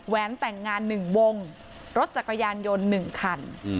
แต่งงาน๑วงรถจักรยานยนต์๑คัน